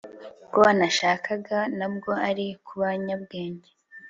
Ko nashakaga ntabwo ari kubanyabwenge